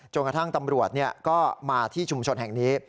กระทั่งตำรวจก็มาที่ชุมชนแห่งนี้